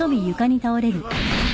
あっ！